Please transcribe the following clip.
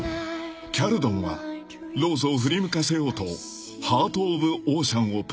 ［キャルドンはローズを振り向かせようとハート・オブ・オーシャンをプレゼントする］